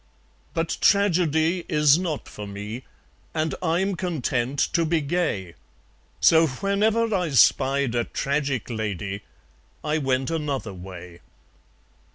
But Tragedy is not for me; And I'm content to be gay. So whenever I spied a Tragic Lady, I went another way.